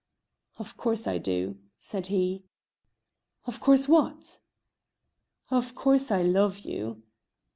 "Of course I do," said he. "Of course what?" "Of course I love you."